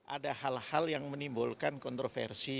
ada hal hal yang menimbulkan kontroversi